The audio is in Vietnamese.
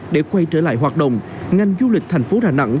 để quay trở lại hoạt động ngành du lịch thành phố đà nẵng